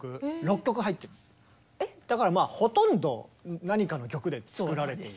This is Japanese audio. だからまあほとんど何かの曲で作られている。